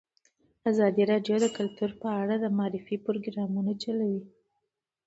ازادي راډیو د کلتور په اړه د معارفې پروګرامونه چلولي.